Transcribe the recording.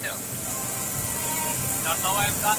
هغه غوښه چې په لمر کې پاتې وي، د خطرناکو مکروبونو کور ګرځي.